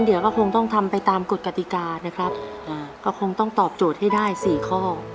เดี๋ยวก็คงต้องทำไปตามกฎกติกานะครับก็คงต้องตอบโจทย์ให้ได้สี่ข้อ